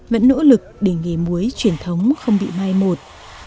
vẫn nỗ lực để nghề muối truyền thống không bị mai một